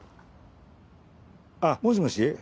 あっもしもし？